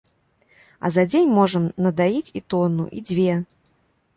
А за дзень можам надаіць і тону, і дзве!